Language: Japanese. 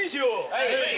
はい！